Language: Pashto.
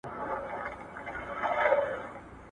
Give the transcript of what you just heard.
د افغان ملي تاریخ دوه یم ټوک